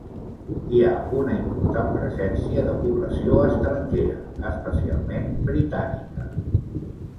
Hi ha una important presència de població estrangera, especialment britànica.